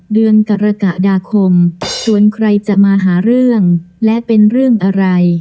เดือนกรกฎาคมส่วนใครจะมาหาเรื่องและเป็นเรื่องอะไร